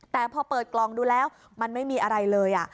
แต่พอเปิดกล่องดูแล้วมันไม่มีอะไรเลย